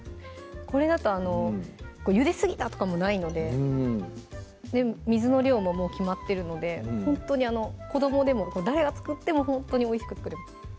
これだとゆですぎたとかもないので水の量ももう決まってるのでほんとにあの子どもでも誰が作ってもほんとにおいしく作れます